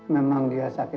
memang dia sakit hati